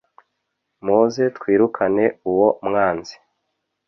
Muze twirukane uwo mwanzi